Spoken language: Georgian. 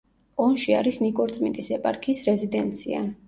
ონში არის ნიკორწმინდის ეპარქიის რეზიდენცია.